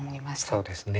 そうですね。